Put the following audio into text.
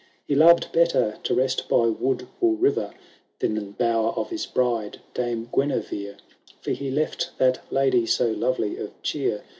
He loved better to rest by wood or river. Than in bower of his bride. Dame Guenever, For he left that lady so lovely of cheer.